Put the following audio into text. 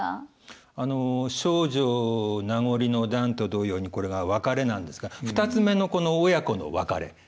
「丞相名残の段」と同様にこれが別れなんですが２つ目のこの親子の別れ。